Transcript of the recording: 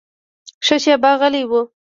ښه شېبه غلی و.